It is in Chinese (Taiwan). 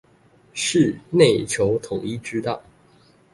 是內求統一之道